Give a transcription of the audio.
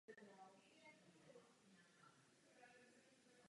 Rozvoj mediálního systému je stále více poháněn vidinou zisku.